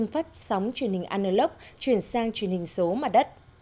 phát sóng truyền hình annellov chuyển sang truyền hình số mặt đất